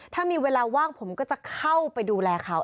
ถ้ามีเวลาว่างผมก็จะเข้าไปดูแลเขา